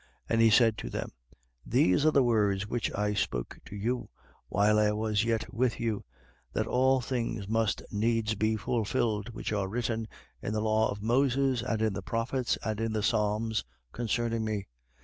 24:44. And he said to them: These are the words which I spoke to you while I was yet with you, that all things must needs be fulfilled which are written in the law of Moses and in the prophets and in the psalms, concerning me.